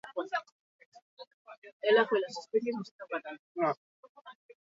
Bi atal ditu: malko guruinak eta malko hodiak.